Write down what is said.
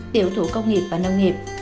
tiểu thủ công nghiệp và nông nghiệp